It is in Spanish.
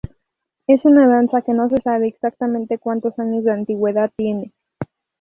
Es una danza que no se sabe exactamente cuantos años de antigüedad tiene.